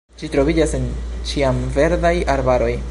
Ĝi troviĝas en ĉiamverdaj arbaroj.